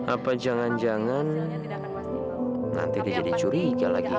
apa jangan jangan nanti dia jadi curiga lagi